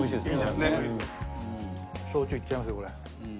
焼酎いっちゃいますよこれ。